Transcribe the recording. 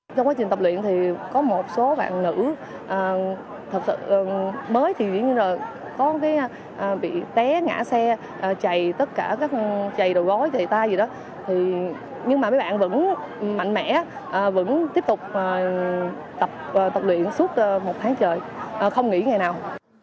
trong quá trình tập luyện thì có một số bạn nữ mới thì có bị té ngã xe chạy tất cả các chạy đồ gói chạy tay gì đó nhưng mà mấy bạn vẫn mạnh mẽ vẫn tiếp tục tập luyện suốt một tháng trời không nghỉ ngày nào